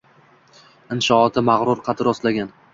Inshooti mag‘rur qad rostlagan